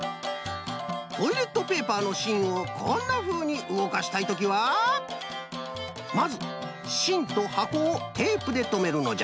トイレットペーパーのしんをこんなふうにうごかしたいときはまずしんとはこをテープでとめるのじゃ。